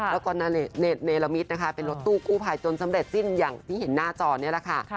แล้วก็เนรมิตนะคะเป็นรถตู้กู้ภัยจนสำเร็จสิ้นอย่างที่เห็นหน้าจอนี่แหละค่ะ